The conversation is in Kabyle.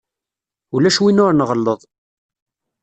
Ulac win ur nɣelleḍ.